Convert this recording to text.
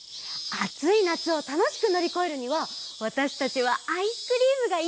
あつい夏をたのしくのりこえるにはわたしたちはアイスクリームがいちばん！